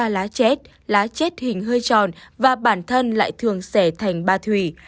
một ba lá chét lá chét hình hơi tròn và bản thân lại thường xẻ thành ba thùy